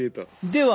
では